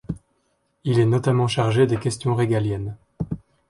Il est notamment chargé des questions régaliennes.